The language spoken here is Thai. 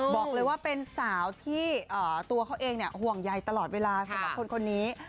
บอกเลยว่าเป็นสาวที่ตัวเขาเองห่วงใยตลอดเวลาสำหรับคนคนนี้